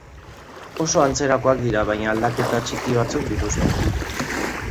Oso antzerakoak dira baina aldaketa txiki batzuk dituzte.